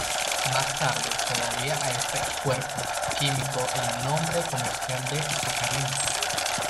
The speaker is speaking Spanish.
Más tarde se daría a ese "cuerpo" químico el nombre comercial de sacarina.